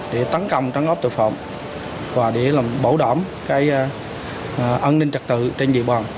để tấn công trắng ấp tội phạm và để bảo đảm an ninh trật tự trên địa bàn